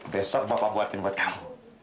besok bapak buatin buat kamu